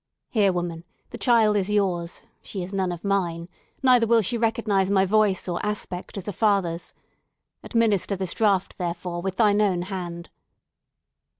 Here, woman! The child is yours—she is none of mine—neither will she recognise my voice or aspect as a father's. Administer this draught, therefore, with thine own hand."